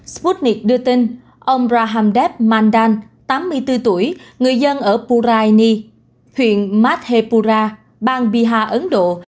sputnik đưa tin ông rahamdev mandan tám mươi bốn tuổi người dân ở puraini huyện madhepura bang piha ấn độ